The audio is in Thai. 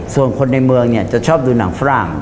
ส่วนคนในเมืองเนี่ยจะชอบดูหนังฝรั่ง